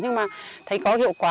nhưng mà thấy có hiệu quả